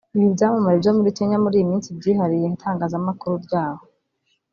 Ibi byamamare byo muri Kenya muri iyi minsi byihariye itangazamakuru ryaho